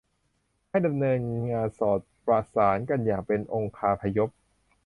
ให้ดำเนินงานสอดประสานกันอย่างเป็นองคาพยพ